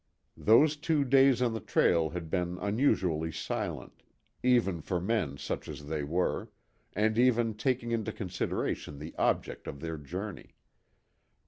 Those two days on the trail had been unusually silent, even for men such as they were, and even taking into consideration the object of their journey.